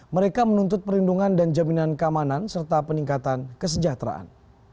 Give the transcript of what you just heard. mereka menuntut perlindungan dan jaminan keamanan serta peningkatan kesejahteraan